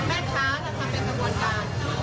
แม่ค้าทำเป็นกระบวนการ